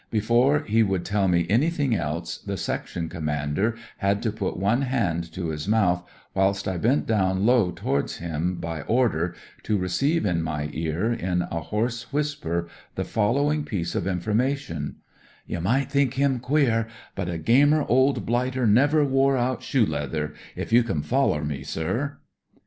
Before he would tell me anything else, the section commander had to put one hand to his mouth whilst I bent down low towards him, by order, to receive in my ear in a hoarse /S^i 160 " STICKFAST " AND OFFICER t whisper the following piece of infonna tion : "You might think him queer, but a gamer old blighter never wore out shoe leather— if you can foller me, sir.'